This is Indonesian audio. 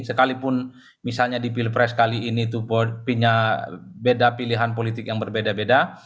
sekalipun misalnya di pilpres kali ini itu punya beda pilihan politik yang berbeda beda